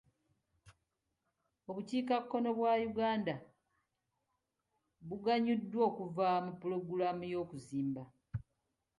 Obukiikakkono bwa Uganda buganyuddwa okuva mu pulogulamu y'okuzimba.